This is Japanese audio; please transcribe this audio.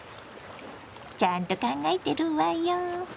ちゃんと考えてるわよ。